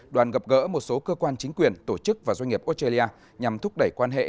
đoàn gặp gỡ một số cơ quan chính quyền tổ chức và doanh nghiệp australia nhằm thúc đẩy quan hệ